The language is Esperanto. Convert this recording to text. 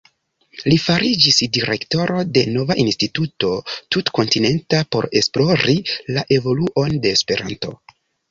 Li fariĝis direktoro de nova instituto tutkontinenta, por esplori la evoluon de Esperanto.